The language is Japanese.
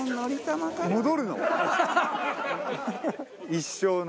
「一生の」。